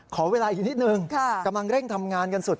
ขอเวลาอีกนิดนึงกำลังเร่งทำงานกันสุด